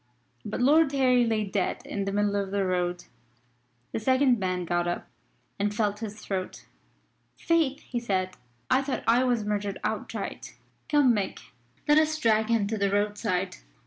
But Lord Harry lay dead in the middle of the road. The second man got up and felt at his throat. "Faith!" he said, "I thought I was murdered outright. Come, Mick, let us drag him to the roadside."